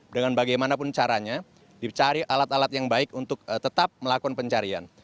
dengan bagaimanapun caranya dicari alat alat yang baik untuk tetap melakukan pencarian